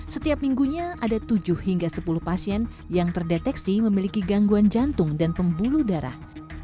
setiap minggunya ada tujuh hingga sepuluh pasien yang terdeteksi memiliki gangguan jantung dan pembuluh darah